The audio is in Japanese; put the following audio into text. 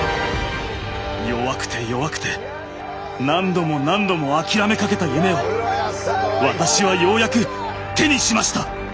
弱くて弱くて何度も何度も諦めかけた夢を私はようやく手にしました。